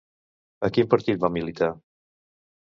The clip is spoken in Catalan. A quin partit va militar?